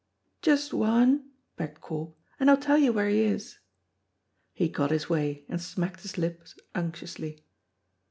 "Just one," begged Corp, "and I'll tell you where he is." He got his way, and smacked his lips unctuously.